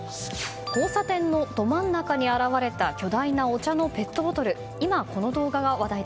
交差点のど真ん中に現れた巨大なお茶のペットボトル。